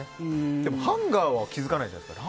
でもハンガーは気づかないじゃないですか。